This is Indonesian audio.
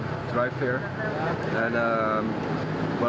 itu adalah perjalanan saya